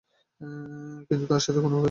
কিন্তু তার সাথে কি কোনোভাবে কথা বলতে পারি?